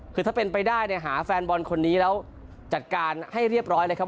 คือถ้าเป็นไปได้เนี่ยหาแฟนบอลคนนี้แล้วจัดการให้เรียบร้อยเลยครับ